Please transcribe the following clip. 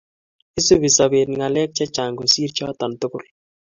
isubi sabet ngalek chechang kosir choton tugul